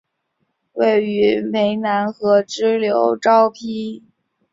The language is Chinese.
位于湄南河支流昭披耶河西畔的吞武里区。